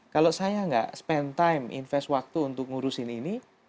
kalau saya nggak spend time invest waktu untuk ngurusin ini